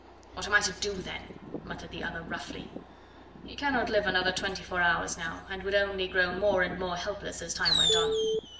"What am I to do, then?" muttered the other roughly. "He cannot live another twenty four hours now, and would only grow more and more helpless as time went on."